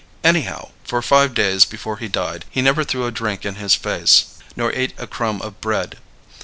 Anyhow, for five days before he died, he never threw a drink in his face nor ate a crumb of bread.